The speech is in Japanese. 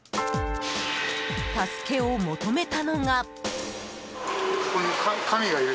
助けを求めたのが。